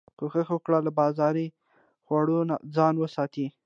کوښښ وکړه له بازاري خوړو ځان وساتي